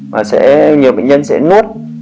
và nhiều bệnh nhân sẽ nuốt